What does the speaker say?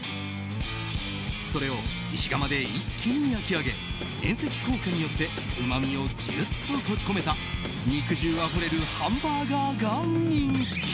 それを石窯で一気に焼き上げ遠赤効果によってうまみをギュッと閉じ込めた肉汁あふれるハンバーガーが人気。